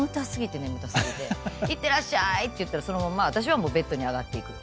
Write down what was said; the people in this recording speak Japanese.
いってらっしゃいって言ったらそのままベッドに上がっていく。